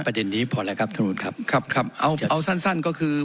ประเด็นนี้พอแล้วครับธรรมนุนครับครับครับเอาเอาสั้นสั้นก็คือ